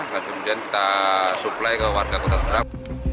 nah kemudian kita suplai ke warga kota seberang